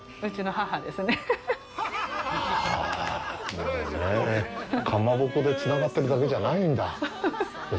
もうねえ、かまぼこでつながってるだけじゃないんだ。